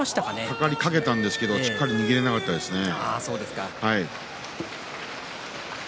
かかりかけたんですがしっかり握れなかったですね。